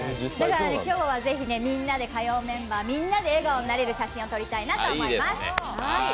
今日はぜひ火曜メンバーみんなで笑顔になれる写真を撮りたいと思います。